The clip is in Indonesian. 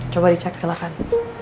coba dicek silahkan